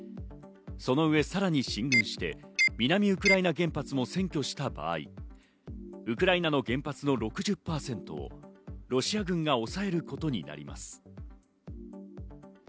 その上さらに進軍して南ウクライナ原発も占拠した場合、ウクライナの原発の６０％をロシア軍が抑えることになります。